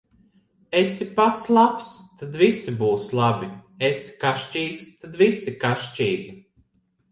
Esi pats labs, tad visi būs labi; esi kašķīgs, tad visi kašķīgi.